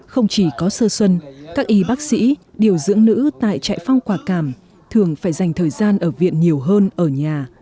không chỉ có sơ xuân các y bác sĩ điều dưỡng nữ tại trại phong quả cảm thường phải dành thời gian ở viện nhiều hơn ở nhà